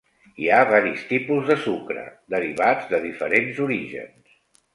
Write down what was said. Hi ha varis tipus de sucre derivats de diferents orígens.